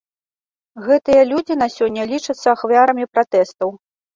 Гэтыя людзі на сёння лічацца ахвярамі пратэстаў.